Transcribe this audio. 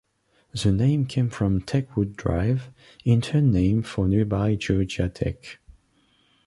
The name came from Techwood Drive, in turn named for nearby Georgia Tech.